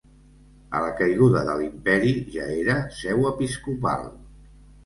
A la caiguda de l'imperi ja era seu episcopal.